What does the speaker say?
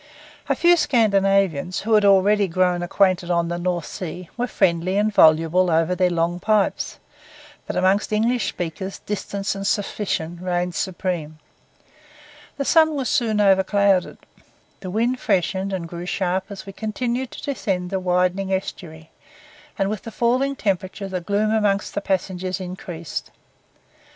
A few Scandinavians, who had already grown acquainted on the North Sea, were friendly and voluble over their long pipes; but among English speakers distance and suspicion reigned supreme. The sun was soon overclouded, the wind freshened and grew sharp as we continued to descend the widening estuary; and with the falling temperature the gloom among the passengers increased.